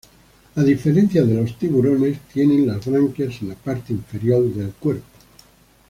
A diferencia de los tiburones tienen las branquias en la parte inferior del cuerpo.